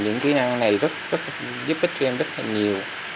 những kỹ năng này giúp kia em rất nhiều